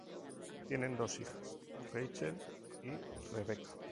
Tienen dos hijas, Rachel y Rebecca.